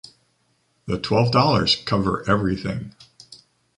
The twelve dollars cover everything.